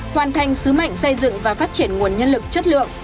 hoàn thành sứ mệnh xây dựng và phát triển nguồn nhân lực chất lượng